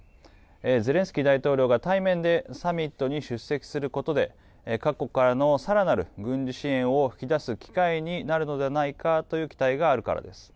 ゼレンスキー大統領が対面でサミットに出席することで、各国からのさらなる軍事支援を引き出す機会になるのではないかという期待があるからです。